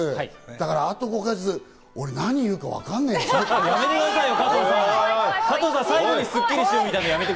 だからあと５か月、俺、何言うかわかんねえよ？